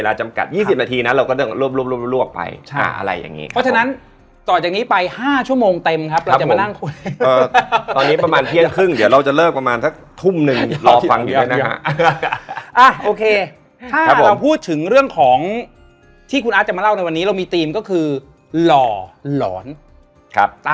คุยกันเสียงดังสักพักเริ่มตั้งใจฟังนิดนึง